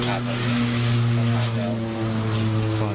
ขอบใจไหมพอท่าว่าทั้งสู่บทคนหลังขออภัยก่อน